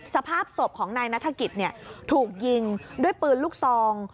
สภาพศพของนายนัฐกิจถูกยิงด้วยปืนลูกซอง